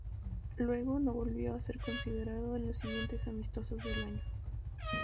Luego no volvió a ser considerado en los siguientes amistosos del año.